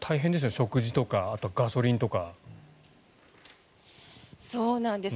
食事とか、あとはガソリンとか。